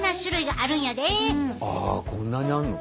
あこんなにあるの？